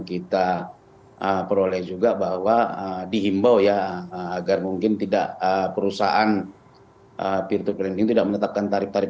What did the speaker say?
kita peroleh juga bahwa dihimbau ya agar mungkin tidak perusahaan peer to planning tidak menetapkan tarif tarif